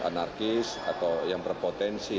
anarkis atau yang berpotensi